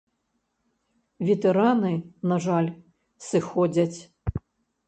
Ветэраны, на жаль, сыходзяць.